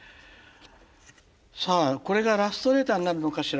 さあこれがラストレターになるのかしら？